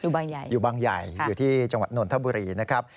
บางใหญ่อยู่บางใหญ่อยู่ที่จังหวัดนนทบุรีนะครับ